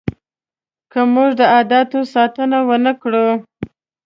که موږ د عدالت ساتنه ونه کړو.